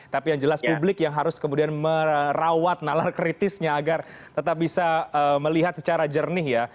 tapi yang jelas publik yang harus kemudian merawat nalar kritisnya agar tetap bisa melihat secara jernih ya